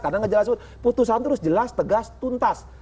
kadang ngejelas putusan terus jelas tegas tuntas